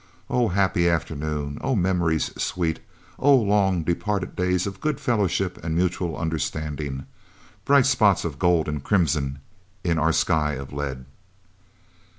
Oh, happy afternoon! Oh, memories sweet! Oh, long departed days of good fellowship and mutual understanding! Bright spots of gold and crimson in our sky of lead!